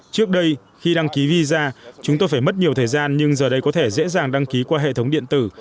trước đây khi đăng ký visa chúng tôi phải mất nhiều thời gian nhưng giờ đây có thể dễ dàng đăng ký qua hệ thống điện tử